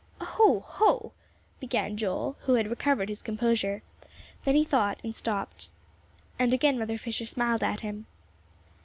"Hoh hoh!" began Joel, who had recovered his composure. Then he thought, and stopped. And again Mother Fisher smiled at him.